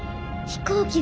飛行機？